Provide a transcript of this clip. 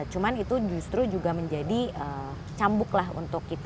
cuma itu justru juga menjadi cambuk lah untuk kita